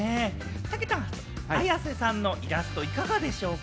たけたん、綾瀬さんのイラストいかがでしょうか？